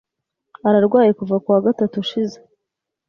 Ararwaye kuva ku wa gatatu ushize.